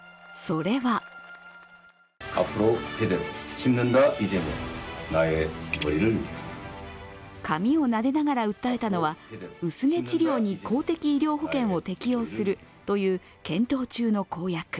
それは髪をなでながら訴えたのは薄毛治療に公的医療保険を適用するという検討中の公約。